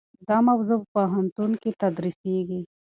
دا موضوع په پوهنتون کې تدریسیږي.